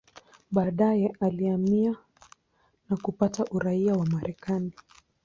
Baadaye alihamia na kupata uraia wa Marekani.